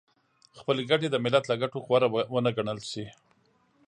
خپلې ګټې د ملت له ګټو غوره ونه ګڼل شي .